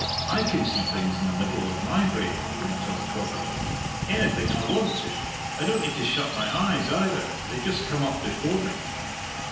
I can see things in the middle of my brain," he went on cockily "anything I want to! I don't need to shut my eyes either. They just come up before me."